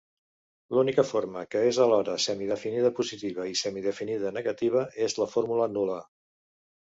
L'única forma que és alhora semidefinida positiva i semidefinida negativa és la forma nul·la.